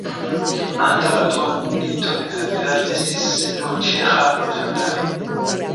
Antaŭ la dua mondmilito en la vilaĝo estis nur ĉeĥa loĝantaro.